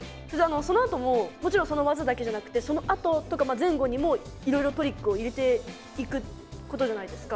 そのあとももちろんその技だけじゃなくてそのあととか前後にもいろいろトリックを入れていくことじゃないですか。